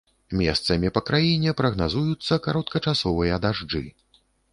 Месцамі па краіне прагназуюцца кароткачасовыя дажджы.